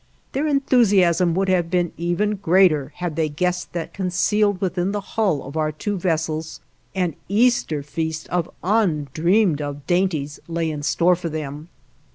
Their enthusiasm would have been even greater had they guessed that concealed within the hull of our two vessels an Easter feast of undreamed of dainties lay in store for them.